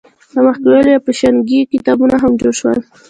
د مخکې ویلو یا پیشګویۍ کتابونه هم جوړ شول.